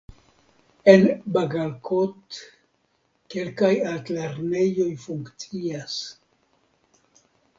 En Bagalkot kelkaj altlernejoj funkcias.